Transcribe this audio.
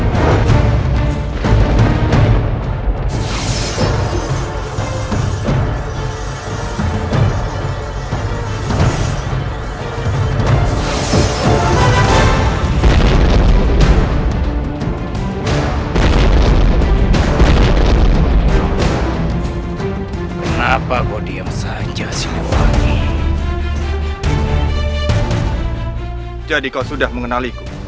tentu saja aku mengenalimu